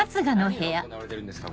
何が行われてるんですか？